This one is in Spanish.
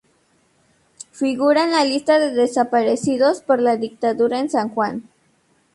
Figura en la lista de desaparecidos por la dictadura en San Juan.